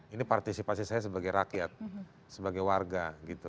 ini partisipasi saya sebagai rakyat sebagai warga